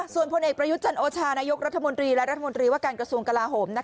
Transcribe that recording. ส่วนพลเอกประยุทธ์จันโอชานายกรัฐมนตรีและรัฐมนตรีว่าการกระทรวงกลาโหม